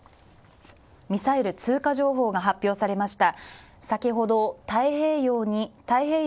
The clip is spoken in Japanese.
ミサイル通過情報が発表されました。